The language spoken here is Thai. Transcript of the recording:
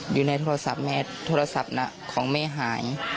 อยู่ในโทรศัพท์แม่โทรศัพท์น่ะของแม่หาย